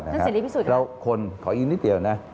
นั่นเสร็จลิข์พิสูจน์ครับแล้วคนขออีกนิดเดียวนะ